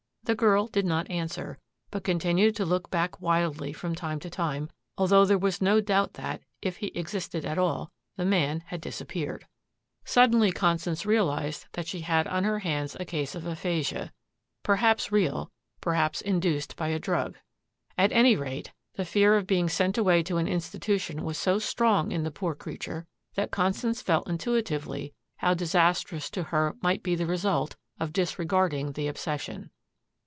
The girl did not answer, but continued to look back wildly from time to time, although there was no doubt that, if he existed at all, the man had disappeared. Suddenly Constance realized that she had on her hands a case of aphasia, perhaps real, perhaps induced by a drug. At any rate, the fear of being sent away to an institution was so strong in the poor creature that Constance felt intuitively how disastrous to her might be the result of disregarding the obsession.